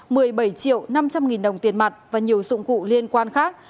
một mươi bảy triệu năm trăm linh nghìn đồng tiền mặt và nhiều dụng cụ liên quan khác